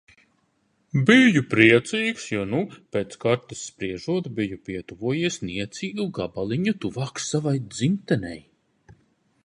Biju priecīgs, jo nu, pēc kartes spriežot, biju pietuvojies niecīgu gabaliņu tuvāk savai dzimtenei.